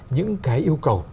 những cái yêu cầu